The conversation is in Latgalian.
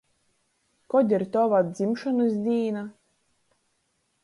Kod ir tova dzimšonys dīna?